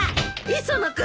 磯野君！